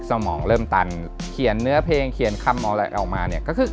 สมองเริ่มตันเขียนเนื้อเพลงเขียนคำมองอะไรออกมาเนี่ยก็คือ